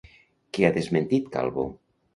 Què ha desmentit Calvo?